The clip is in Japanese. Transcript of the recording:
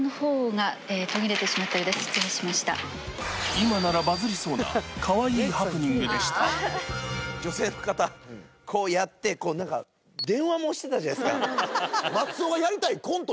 今ならバズりそうなかわいいハプニングでした女性の方こうやって電話もしてたじゃないですか。